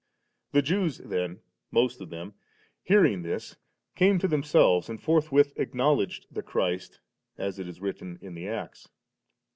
"*^ 17. The Jews then, most of them*, hearing this, came to themselves and forthwith ac knowledged the Christ, as it is written in the Acts.